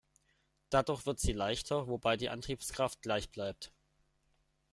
Dadurch wird sie leichter, wobei die Antriebskraft gleich bleibt.